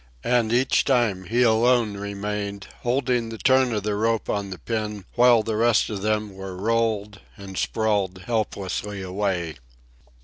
And each time he alone remained, holding the turn of the rope on the pin, while the rest of them were rolled and sprawled helplessly away.